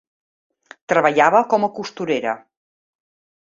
Treballava com a costurera.